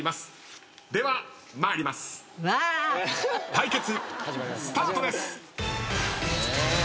対決スタートです。